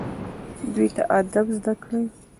دوی ته ادب زده کړئ